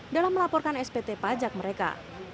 dalam melaporkan spt pajak mereka